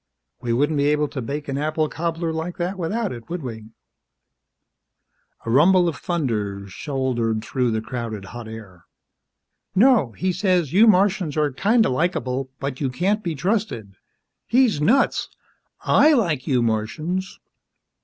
"We wouldn't be able to bake an apple cobbler like that without it, would we?" A rumble of thunder shouldered through the crowded hot air. "No. He says, you Martians are kinda likeable, but you can't be trusted. He's nuts! I like you Martians!"